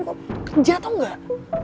kerja tau enggak